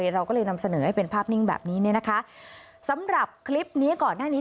เราก็เลยนำเสนอให้เป็นภาพนิ่งแบบนี้เนี่ยนะคะสำหรับคลิปนี้ก่อนหน้านี้